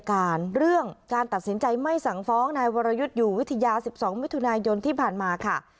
การเรื่องการตัดสินใจไม่สั่งฟ้องนายวรยุทธ์อยู่วิทยา๑๒มิถุนายนที่ผ่านมาค่ะ